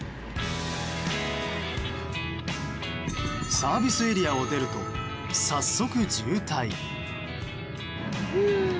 サービスエリアを出ると早速、渋滞。